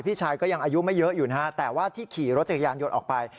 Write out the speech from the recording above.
พี่ชายก็ยังอายุไม่เยอะอยู่นะฮะแต่ว่าที่ขี่รถจักรยานยนต์ออกไป